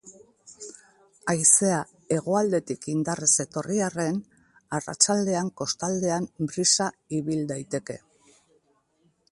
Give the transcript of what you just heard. Haizea hegoaldetik indarrez etorri arren, arratsaldean kostaldean brisa ibil daiteke.